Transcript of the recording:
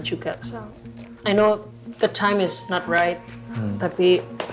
aku tahu waktu ini tidak tepat tapi